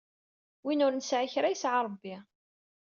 Win ur nesɛi kra, yesɛa Rebbi.